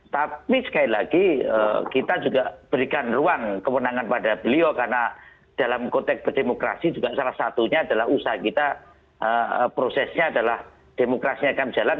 tapi sekali lagi kita juga berikan ruang kewenangan pada beliau karena dalam konteks berdemokrasi juga salah satunya adalah usaha kita prosesnya adalah demokrasi akan jalan